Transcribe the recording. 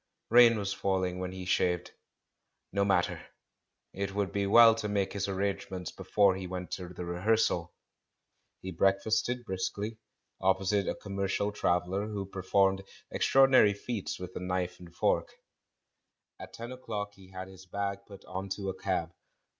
Rain was falling when he shaved. ISTo matter — it would be well to make his arrangements be fore he went to the rehearsal! He breakfasted briskly, opposite a commercial traveller who per formed extraordinary feats with a knife and fork. At ten o'clock he had his bag put on to a cab.